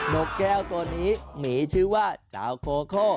กแก้วตัวนี้หมีชื่อว่าเจ้าโกโค